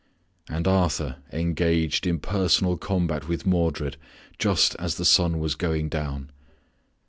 And Arthur engaged in personal combat with Modred just as the sun was going down.